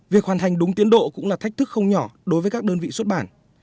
việc hoàn thành đúng tiến độ cũng là thách thức không nhỏ đối với các đơn vị xuất bản